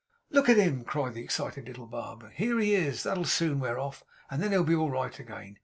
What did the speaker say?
'Look at him!' cried the excited little barber. 'Here he is! That'll soon wear off, and then he'll be all right again.